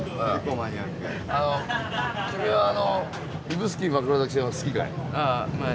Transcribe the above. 君は指宿枕崎線は好きかい？